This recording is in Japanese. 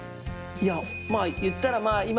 いやまあ言ったらまあ